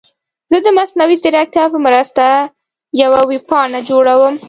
زه د مصنوعي ځیرکتیا په مرسته یوه ویب پاڼه جوړوم.